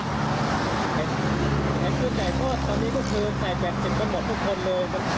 แต่คือใจโฆษณ์ตอนนี้ก็คือใจ๘๐กันหมดทุกคนเลย